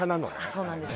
そうなんです